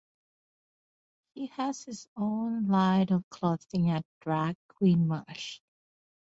He has his own line of clothing at "Drag Queen Merch".